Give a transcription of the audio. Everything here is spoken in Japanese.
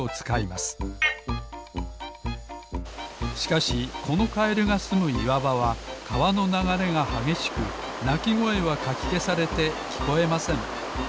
しかしこのカエルがすむいわばはかわのながれがはげしくなきごえはかきけされてきこえません。